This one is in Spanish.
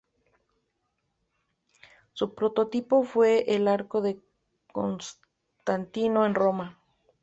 Su prototipo fue el Arco de Constantino en Roma.